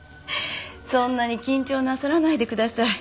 そんなに緊張なさらないでください。